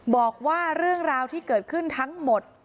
บอกว่าเรื่องราวที่เกิดขึ้นทั้งหมด